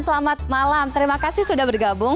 selamat malam terima kasih sudah bergabung